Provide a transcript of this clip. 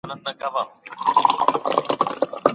ګڼ خلګ اوږد ډنډ نه ړنګوي.